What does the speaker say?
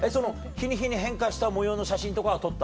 日に日に変化した模様の写真とかは撮った？